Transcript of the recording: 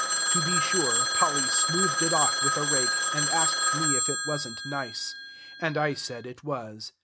To be sure, Polly smoothed it off with a rake, and asked me if it was n't nice; and I said it was.